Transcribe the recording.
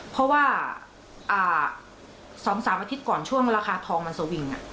เพราะว่า๒๓อาทิตย์ก่อนช่วงราคาทองมันสวิง